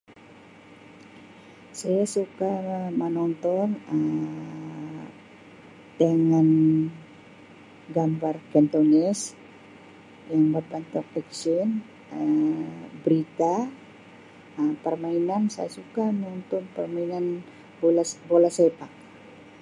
"Saya suka menonton Um tayangan gambar kantonis yang berbentuk ""fiction"" Um brita Um permainan saya suka menonton permainan bola bola sepak."